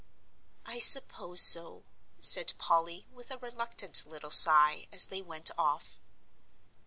"I suppose so," said Polly, with a reluctant little sigh, as they went off.